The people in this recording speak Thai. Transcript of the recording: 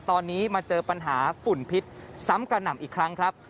ตอนนี้มาเจอปัญหาฝุ่นพิษซ้ำกระหน่ำอีกครั้งครับ